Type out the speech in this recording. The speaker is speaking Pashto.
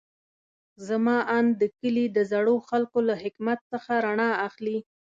زما اند د کلي د زړو خلکو له حکمت څخه رڼا اخلي.